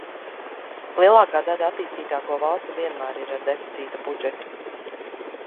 Lielākā daļa attīstītāko valstu vienmēr ir ar deficīta budžetu.